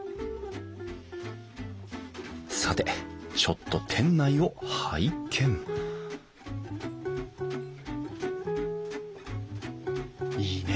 さてちょっと店内を拝見いいね。